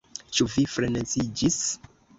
Ĉu vi freneziĝis?